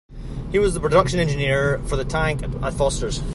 He was the production engineer for the tank at Fosters.